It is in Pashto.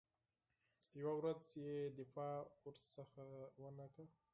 یوه ورځ یې دفاع ورڅخه ونه کړه.